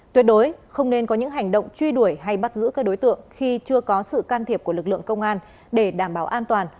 tuyệt đối không nên có những hành động truy đuổi hay bắt giữ các đối tượng khi chưa có sự can thiệp của lực lượng công an để đảm bảo an toàn